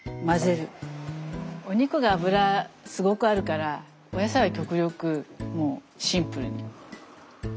お肉が脂すごくあるからお野菜は極力もうシンプルに。